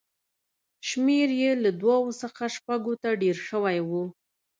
شمېر یې له دوو څخه شپږو ته ډېر شوی و.